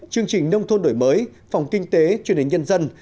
chương trình nông thôn đổi mới phòng kinh tế truyền hình nhân dân